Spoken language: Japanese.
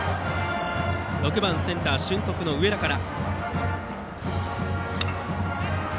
６番センター、俊足の上田から。